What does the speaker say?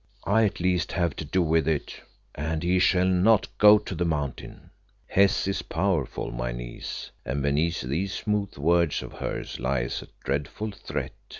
"I at least have to do with it, and he shall not go to the Mountain." "Hes is powerful, my niece, and beneath these smooth words of hers lies a dreadful threat.